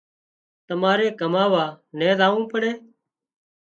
تماري ڪماوا نين زاوون پڙي